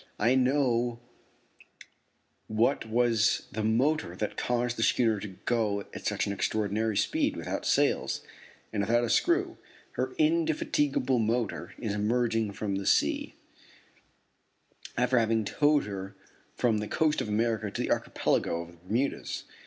I know what was the motor that caused the schooner to go at such an extraordinary speed without sails and without a screw. Her indefatigable motor is emerging from the sea, after having towed her from the coast of America to the archipelago of the Bermudas.